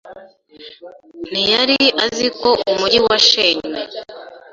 Ntiyari azi ko umujyi washenywe.